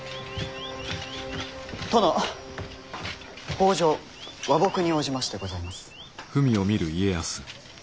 北条和睦に応じましてございます。